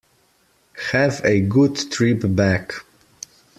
Have a good trip back.